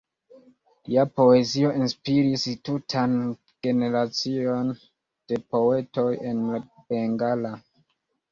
Lia poezio inspiris tutan generacion de poetoj en la bengala.